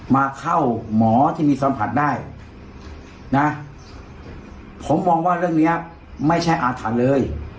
มาเข้าหมอที่มีสัมผัสได้นะผมมองว่าเรื่องนี้ไม่ใช่อาถรรพ์เลย